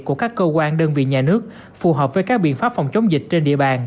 của các cơ quan đơn vị nhà nước phù hợp với các biện pháp phòng chống dịch trên địa bàn